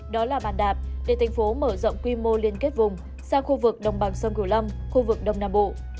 đó là bàn đạp để tp hcm mở rộng quy mô liên kết vùng sang khu vực đồng bằng sông cửu lâm khu vực đông nam bộ